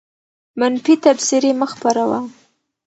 منفي تبصرې مه خپروه.